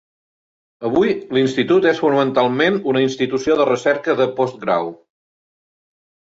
Avui, l'Institut és fonamentalment una institució de recerca de postgrau.